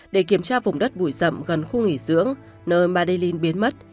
để kiểm tra vùng đất bụi rậm gần khu nghỉ dưỡng nơi madelin biến mất